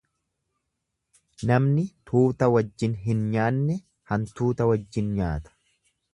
Namni tuuta wajjin hin nyaanne, hantuuta wajjin nyaata.